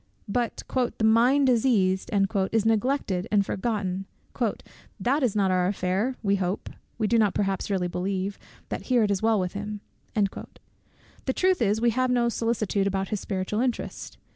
But "the mind diseased" is neglected and forgotten "that is not our affair; we hope (we do not perhaps really believe) that here it is well with him." The truth is, we have no solicitude about his spiritual interest.